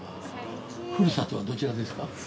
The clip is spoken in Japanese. ◆ふるさとはどちらですか。